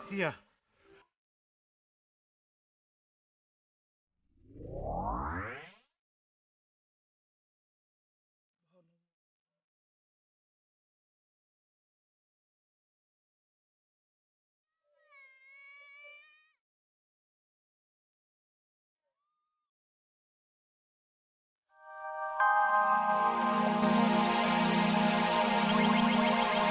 masa ini apakah kita akan berer encounter